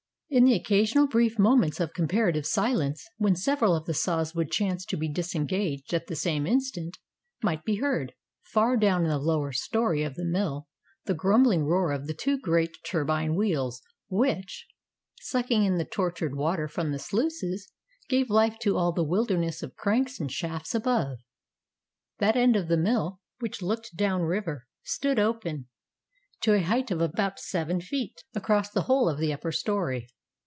In the occasional brief moments of comparative silence, when several of the saws would chance to be disengaged at the same instant, might be heard, far down in the lower story of the mill, the grumbling roar of the two great turbine wheels, which, sucking in the tortured water from the sluices, gave life to all the wilderness of cranks and shafts above. That end of the mill which looked down river stood open, to a height of about seven feet, across the whole of the upper story.